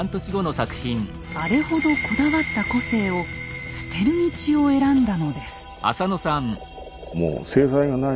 あれほどこだわった個性を捨てる道を選んだのです。